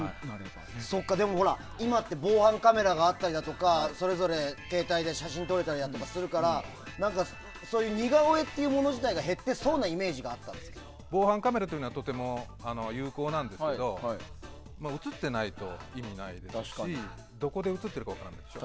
でも、今って防犯カメラがあったりそれぞれ携帯で写真を撮れたりするからそういう似顔絵っていうもの自体が減ってそうな防犯カメラというのはとても有効なんですけど映ってないと意味がないしどこで映ってるか分からない。